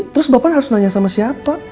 terus bapak harus nanya sama siapa